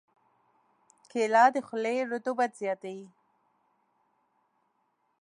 کېله د خولې رطوبت زیاتوي.